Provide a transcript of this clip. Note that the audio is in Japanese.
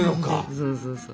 そうそうそう。